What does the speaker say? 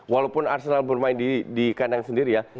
walaupun arsenal bermain di kandang sendiri ya